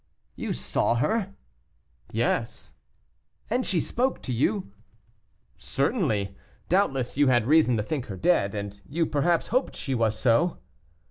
"You saw her?" "Yes." "And she spoke to you?" "Certainly. Doubtless you had reason to think her dead, and you perhaps hoped she was so."